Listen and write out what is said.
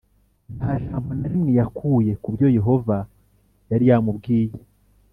Nta jambo na rimwe yakuye ku byo Yehova yari yamubwiye